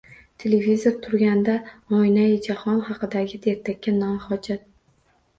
Televizor turganida oynaijahon haqidagi ertakka na hojat?